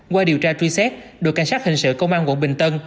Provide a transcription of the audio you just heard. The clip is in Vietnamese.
qua điều tra truy xét đội cảnh sát hình sự công an quận bình tân